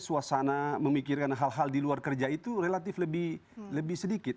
suasana memikirkan hal hal di luar kerja itu relatif lebih sedikit